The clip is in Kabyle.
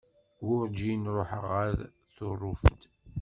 Werǧin ruḥeɣ ɣer Tuṛuft.